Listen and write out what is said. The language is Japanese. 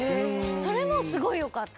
それもすごい良かった。